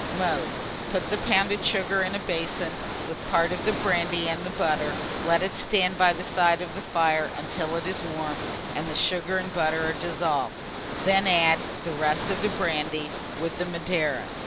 Mode. Put the pounded sugar in a basin, with part of the brandy and the butter; let it stand by the side of the fire until it is warm and the sugar and butter are dissolved; then add the rest of the brandy, with the Madeira.